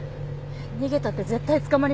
逃げたって絶対捕まりますよ。